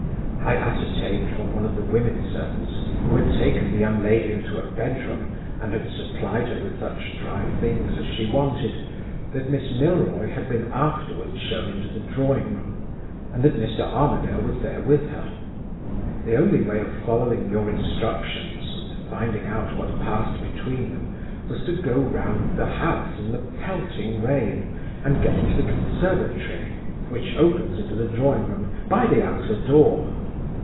"I ascertained from one of the women servants, who had taken the young lady into a bedroom, and had supplied her with such dry things as she wanted, that Miss Milroy had been afterward shown into the drawing room, and that Mr. Armadale was there with her. The only way of following your instructions, and finding out what passed between them, was to go round the house in the pelting rain, and get into the conservatory (which opens into the drawing room) by the outer door.